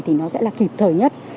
thì nó sẽ là kịp thời nhất